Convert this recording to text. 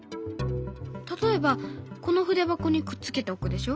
例えばこの筆箱にくっつけておくでしょ。